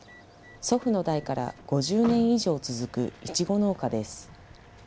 祖父の代から５０年以上続くいちご農家です。